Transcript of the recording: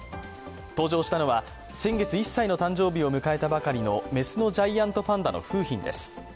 登場したのは、先月１歳の誕生日を迎えたばかりの雌のジャイアントパンダの楓浜です。